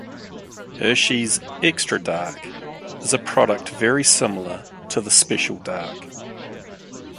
Hershey's Extra Dark is a product very similar to the Special Dark.